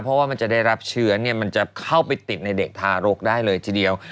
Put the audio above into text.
เพราะว่ามันจะได้รับเชื้อมันจะเข้าไปติดในเด็กทารกได้เลยทีเดียว